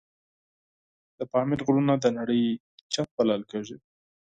د پامیر غرونه د نړۍ چت بلل کېږي.